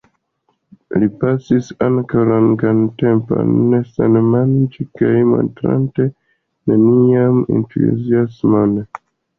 Li pasis ankaŭ longan tempon sen manĝi kaj montrante nenian entuziasmon.